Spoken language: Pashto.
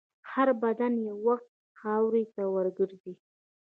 هر بدن یو وخت خاورو ته ورګرځي.